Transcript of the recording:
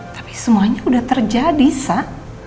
tapi semuanya udah terjadi san